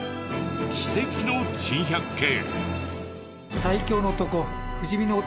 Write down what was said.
奇跡の珍百景。